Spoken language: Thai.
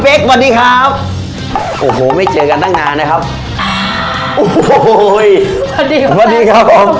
พี่เป๊กมาแล้วครับ